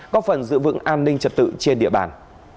có phần giữ vững an ninh trật tự trên địa bàn